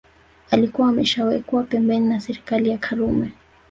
alikuwa ameshawekwa pembeni na serikali ya karume